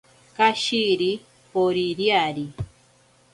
Kashiri poririari.